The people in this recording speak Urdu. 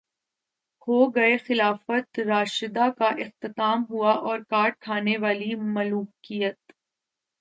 ہوگئے خلافت راشدہ کا اختتام اور کاٹ کھانے والی ملوکیت